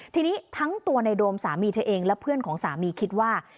ทีนี้ทั้งตัวในโดมสามีเธอเองและเพื่อนของสามีคิดว่า